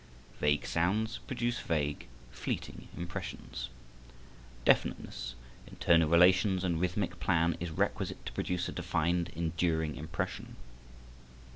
Vague sounds produce vague, fleeting impressions. Definiteness in tonal relations and rhythmic plan is requisite to produce a defined, enduring impression.